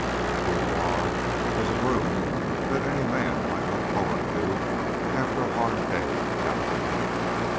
The boudoir was a room that any man might look forward to after a hard day on Capitol Hill.